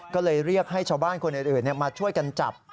ก็เลยเรียกให้ชาวบ้านคนอื่นมาช่วยกันจับ